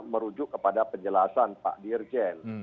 merujuk kepada penjelasan pak dirjen